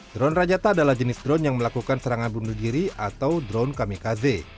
drone rajata adalah jenis drone yang melakukan serangan bunuh diri atau drone kamikaze